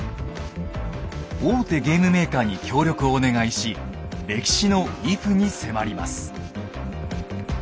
大手ゲームメーカーに協力をお願いし歴史のＩＦに迫ります。